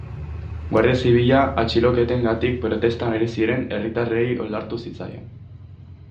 Guardia Zibila atxiloketengatik protestan ari ziren herritarrei oldartu zitzaien.